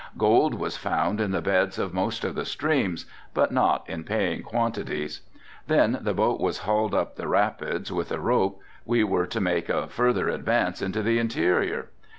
Gold was found in the beds of most of the streams, but not in paying quantities. Then the boat was hauled up the rapids with a rope, we were to make a further advance into the interior.